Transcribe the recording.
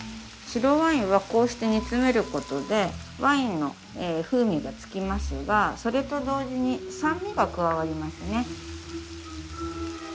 白ワインはこうして煮詰めることでワインの風味がつきますがそれと同時に酸味が加わりますね。